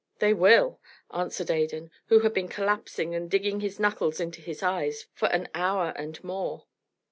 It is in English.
"They will," answered Adan, who had been collapsing and digging his knuckles into his eyes for an hour and more.